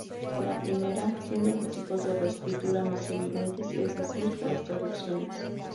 La primera, siendo los tipos de reescritura más evidentes, es decir, las traducciones.